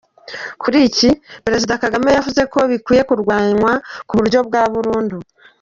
Kuri iki, Perezida Kagame yavuze ko bikwiye kurwanywa ku buryo bwa burundu.